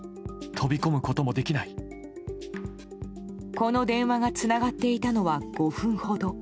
この電話がつながっていたのは５分ほど。